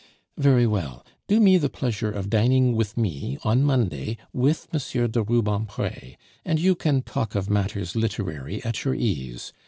"Very well, do me the pleasure of dining with me on Monday with M. de Rubempre, and you can talk of matters literary at your ease.